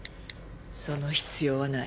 その必要はない。